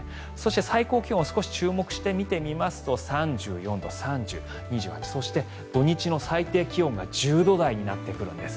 最高気温を注目してみてみますと３４度、３０度、２８度そして、土日の最低気温が１０度台になってくるんです。